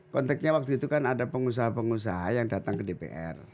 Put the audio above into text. konteksnya waktu itu kan ada pengusaha pengusaha yang datang ke dpr